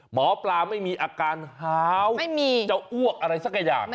หมอปลาไม่มีอาการฮาวไม่มีจะอ้วกอะไรสักอย่าง